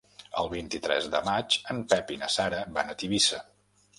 El vint-i-tres de maig en Pep i na Sara van a Tivissa.